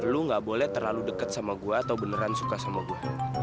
lu gak boleh terlalu deket sama gua atau beneran suka sama gua